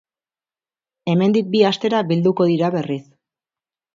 Hemendik bi astera bilduko dira berriz.